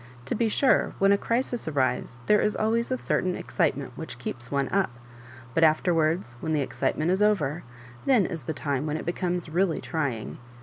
To be sore, when a crisis arrives there is always a certain excitement wliich keeps one up ; but afterwards, when the excitement is over, then is the time when it becomes really trying.